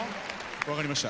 分かりました。